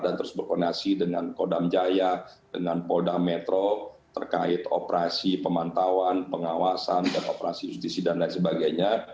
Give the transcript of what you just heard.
dan terus berkoneksi dengan kodam jaya dengan kodam metro terkait operasi pemantauan pengawasan dan operasi justisi dan lain sebagainya